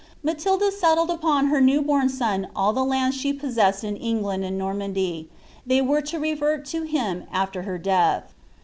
Matilda settled upon her new bom son all the lands she possessed in England and Nor mandy; they were to revert to him after her death.